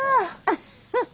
フフフ。